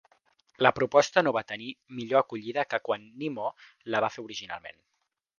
La proposta no va tenir millor acollida que quan Nimmo la va fer originalment.